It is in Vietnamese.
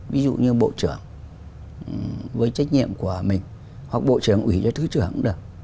ví dụ như bộ trưởng với trách nhiệm của mình hoặc bộ trưởng ủy cho thứ trưởng cũng được